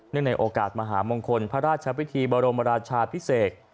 ในโอกาสมหามงคลพระราชพิธีบรมราชาพิเศษ